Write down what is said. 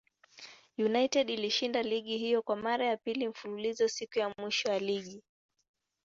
United ilishinda ligi hiyo kwa mara ya pili mfululizo siku ya mwisho ya ligi.